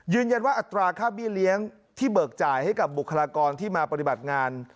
ว่าอัตราค่าเบี้เลี้ยงที่เบิกจ่ายให้กับบุคลากรที่มาปฏิบัติงาน